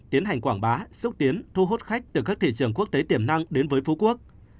tiến hành quảng bá xúc tiến thu hút khách từ các thị trường quốc tế tiềm năng đến với phú quốc